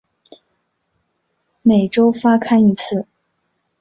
每周发刊一次。